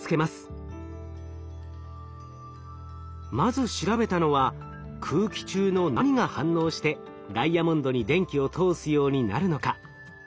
まず調べたのは空気中の何が反応してダイヤモンドに電気を通すようになるのか。